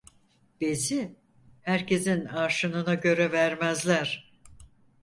Bezi herkesin arşınına göre vermezler.